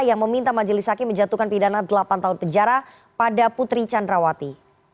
yang meminta majelis hakim menjatuhkan pidana delapan tahun penjara pada putri candrawati